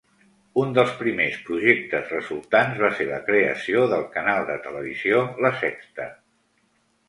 Un dels primers projectes resultants va ser la creació del canal de televisió La Sexta.